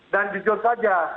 dan jujur saja